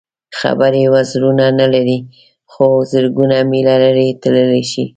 خبرې وزرونه نه لري خو زرګونه مېله لرې تللی شي.